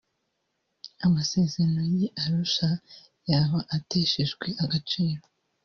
amasezerano y’i Arusha yaba ateshejwe agaciro